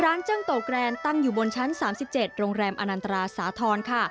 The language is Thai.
จังโตแกรนตั้งอยู่บนชั้น๓๗โรงแรมอนันตราสาธรณ์ค่ะ